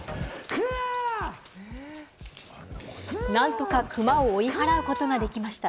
なんとかクマを追い払うことができました。